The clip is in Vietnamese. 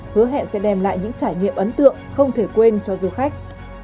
hứa hẹn sẽ đem lại những trải nghiệm ấn tượng không thể quên cho du khách